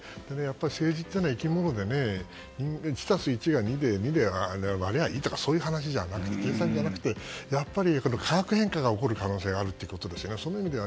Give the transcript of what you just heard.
政治っていうのは生き物で１足す１が２で２で割ればいいとかそういう話じゃなくてやっぱり化学変化が起こる可能性があるということですよね。